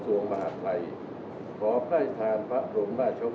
สวัสดีครับสวัสดีครับสวัสดีครับ